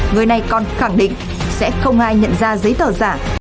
người này còn khẳng định sẽ không ai nhận ra giấy tờ giả